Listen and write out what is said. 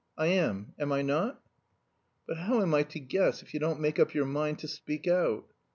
I am, am I not?" "But how am I to guess if you don't make up your mind to speak out?"